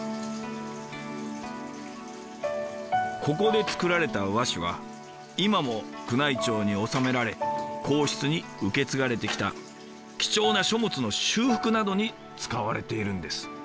ここで作られた和紙は今も宮内庁に納められ皇室に受け継がれてきた貴重な書物の修復などに使われているんです。